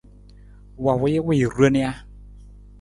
Wa wii wii ron ja?